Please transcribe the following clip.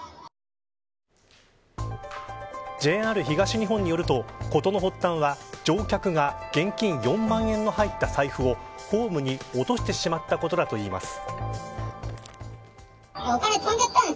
ＪＲ東日本によると事の発端は乗客が現金４万円の入った財布をホームに落としてしまったことだといいます。